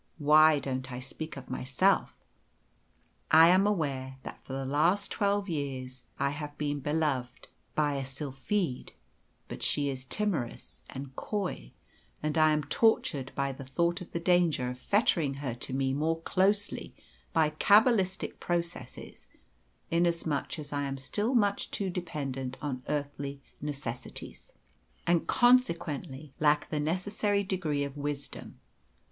Why don't I speak of myself? I am aware that for the last twelve years I have been beloved by a sylphide, but she is timorous and coy, and I am tortured by the thought of the danger of fettering her to me more closely by cabbalistic processes, inasmuch as I am still much too dependent on earthly necessities, and consequently lack the necessary degree of wisdom.